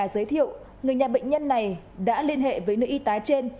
trong bài giới thiệu người nhà bệnh nhân này đã liên hệ với nữ y tá trên